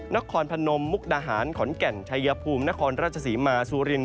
นครพนมมุกนหารขอนแก่นชายยภูมินครราชสีมาสูรินทร์